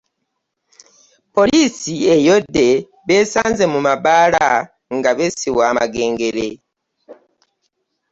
Poliisi eyodde beesanze mu mabaala nga beesiwa amagengere